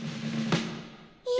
え？